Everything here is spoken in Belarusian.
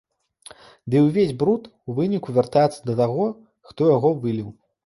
Ды і ўвесь бруд, у выніку, вяртаецца да таго, хто яго выліў.